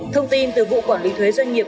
thông tin từ vụ quản lý thuế doanh nghiệp